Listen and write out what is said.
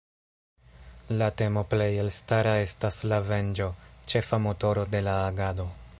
La temo plej elstara estas la venĝo, ĉefa motoro de la agado.